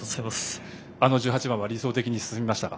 １８番は理想的に進みましたか。